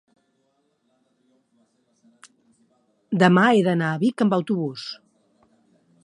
demà he d'anar a Vic amb autobús.